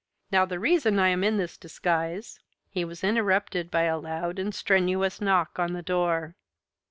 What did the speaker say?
Now the reason I am in this disguise " He was interrupted by a loud and strenuous knock on the door.